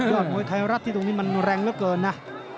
อดมวยไทยรัฐที่ตรงนี้มันแรงเหลือเกินนะ